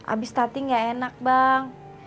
abis stutting gak enak bang